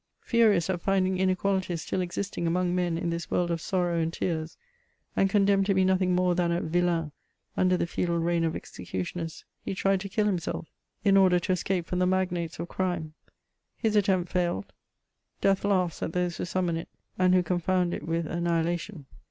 Furious at finding inequalities still existing among men in this world of sorrow and tears, and condemned to be nothing more than a vilain under the feudal reign of execu tioners, he tried to kill himself, in order to escape from the magnates of crime \ his attempt failed : death laughs at those who summon it, and who confound it with annihilation.